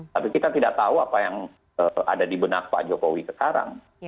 tapi kita tidak tahu apa yang ada di benak pak jokowi sekarang